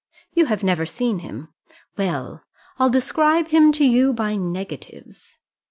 You have never seen him. Well, I'll describe him to you by negatives.